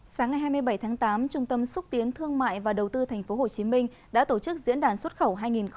sáng ngày hai mươi bảy tháng tám trung tâm xúc tiến thương mại và đầu tư tp hcm đã tổ chức diễn đàn xuất khẩu hai nghìn một mươi chín